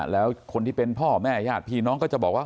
แล้วคนที่เป็นพ่อแม่ญาติพี่น้องก็จะบอกว่า